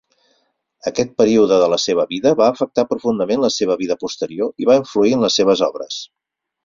Aquest període de la seva vida va afectar profundament la seva vida posterior i va influir en les seves obres.